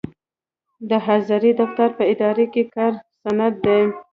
د حاضرۍ دفتر په اداره کې کاري سند دی.